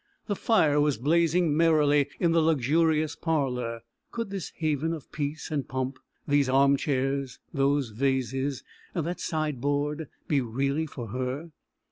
The fire was blazing merrily in the luxurious parlour: could this haven of peace and pomp these arm chairs, those vases, that side board be really for her?